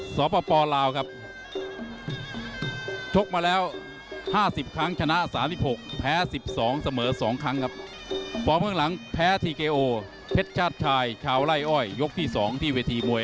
ส่วนฝ่ายน้ำเงินครับจะลวดศึก